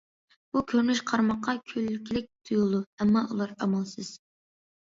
بۇ كۆرۈنۈش قارىماققا كۈلكىلىك تۇيۇلىدۇ، ئەمما ئۇلار ئامالسىز.